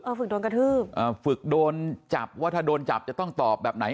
ฝึกโดนกระทืบอ่าฝึกโดนจับว่าถ้าโดนจับจะต้องตอบแบบไหน